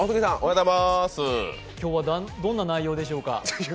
今日は、どどんな内容でしょうか。